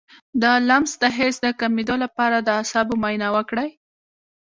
د لمس د حس د کمیدو لپاره د اعصابو معاینه وکړئ